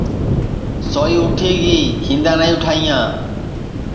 سوئی اُٹھی گی کھیندا نائی اُٹھائیاں